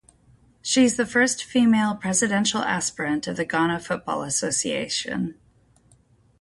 She is the first female presidential aspirant of the Ghana Football Association.